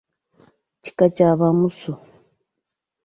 Kika kya ba Musu.